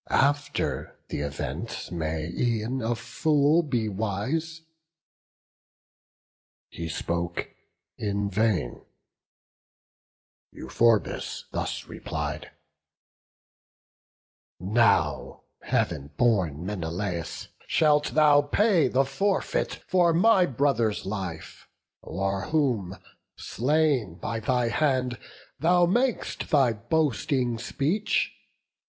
After th' event may e'en a fool be wise." He spoke in vain; Euphorbus thus replied: "Now, Heav'n born Menelaus, shalt thou pay The forfeit for my brother's life, o'er whom, Slain by thy hand, thou mak'st thy boasting speech.